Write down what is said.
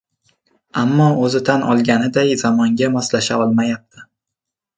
ammo oʻzi tan olganiday zamonga moslasha olmayapti.